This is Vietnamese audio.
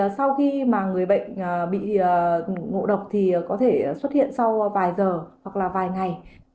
sau khi mà người bệnh bị ngộ độc thì có thể xuất hiện sau vài giờ hoặc là vài ngày